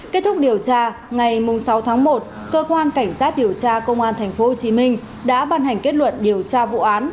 kết thúc điều tra ngày sáu tháng một cơ quan cảnh sát điều tra công an tp hcm đã ban hành kết luận điều tra vụ án